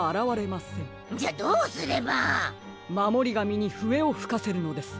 まもりがみにふえをふかせるのです。